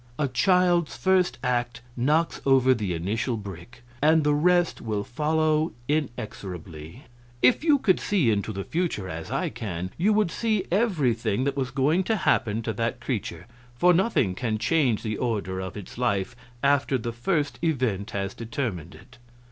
A child's first act knocks over the initial brick, and the rest will follow inexorably. If you could see into the future, as I can, you would see everything that was going to happen to that creature; for nothing can change the order of its life after the first event has determined it.